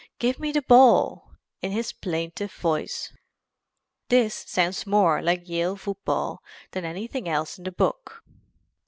Give me the ball' in his plaintive voice" This sounds more like Yale football than anything else in the book.